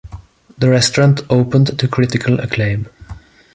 The restaurant opened to critical acclaim.